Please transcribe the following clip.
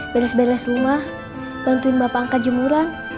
beres beres rumah bantuin bapak angkat jemuran